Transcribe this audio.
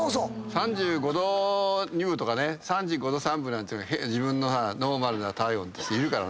３５度２分とか３５度３分なんていうのが自分のノーマルな体温って人いるから。